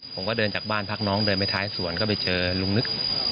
ผมก็เดินจากบ้านพักน้องเดินไปท้ายสวนก็ไปเจอลุงนึก